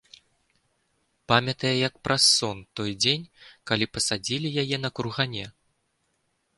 Памятае, як праз сон, той дзень, калі пасадзілі яе на кургане.